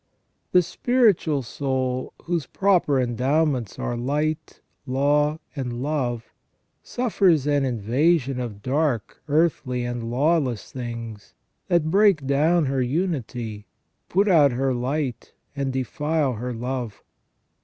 The spiritual soul, whose proper endowments are light, law, and love, suffers an in vasion of dark, earthly, and lawless things, that break down her unity, put out her light, and defile her love.